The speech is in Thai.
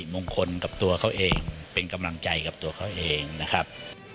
มงคลกับตัวเขาเองเป็นกำลังใจกับตัวเขาเองนะครับ